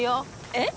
えっ！？